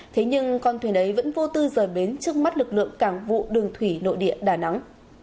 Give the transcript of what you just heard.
thế nhưng con thuyền ấy vẫn vô tư rời bến trước mắt lực lượng cảng vụ đường thủy nội địa đà nẵng